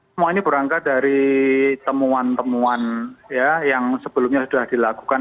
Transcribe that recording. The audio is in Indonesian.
semua ini berangkat dari temuan temuan yang sebelumnya sudah dilakukan